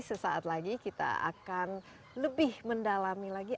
sesaat lagi kita akan lebih mendalami lagi